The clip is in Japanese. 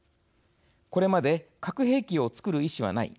これまで「核兵器をつくる意思はない。